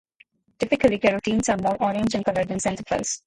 Typically, carotenes are more orange in color than xanthophylls.